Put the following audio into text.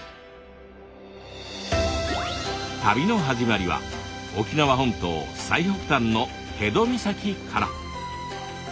旅の始まりは沖縄本島最北端の辺戸岬から。